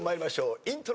イントロ。